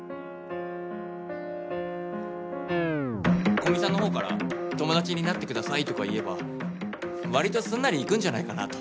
古見さんの方から「友達になって下さい」とか言えば割とすんなりいくんじゃないかなと。